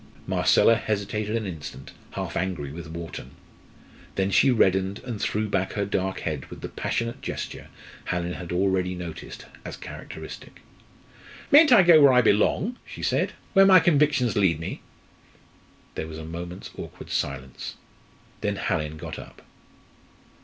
Marcella hesitated an instant, half angry with Wharton. Then she reddened and threw back her dark head with the passionate gesture Hallin had already noticed as characteristic. "Mayn't I go where I belong?" she said "where my convictions lead me?" There was a moment's awkward silence. Then Hallin got up.